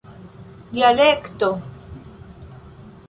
dialekto